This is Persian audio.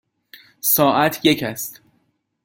ساعت یک است.